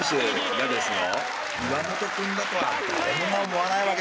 どうですか？